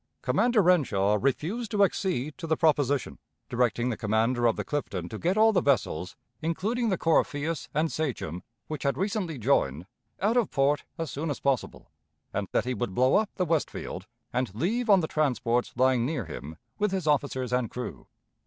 Commander Renshaw refused to accede to the proposition, directing the commander of the Clifton to get all the vessels, including the Corypheus and Sachem, which had recently joined, out of port as soon as possible, and that he would blow up the Westfield, and leave on the transports lying near him with his officers and crew.